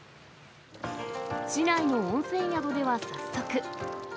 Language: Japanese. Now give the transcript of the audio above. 市内の温泉宿では早速。